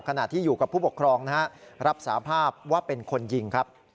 ขณะที่อยู่กับผู้ปกครองรับสาภาพว่าเป็นคนยิงครับ